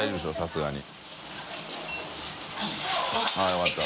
△よかった。